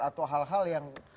atau hal hal yang